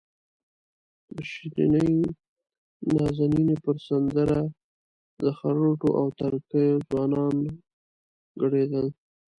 د شیرینې نازنینې پر سندره د خروټو او تره کیو ځوانان ګډېدل.